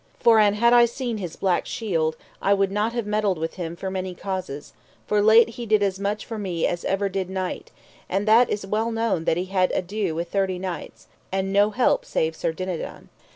For an I had seen his black shield, I would not have meddled with him for many causes; for late he did as much for me as ever did knight, and that is well known that he had ado with thirty knights, and no help save Sir Dinadan.